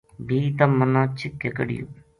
بھی تم منا چِھک کے کڈھیوں‘‘